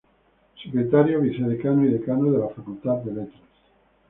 Secretario, vicedecano y decano de la Facultad de Letras.